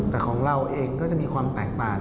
แต่ของเราเองก็จะมีความแตกต่าง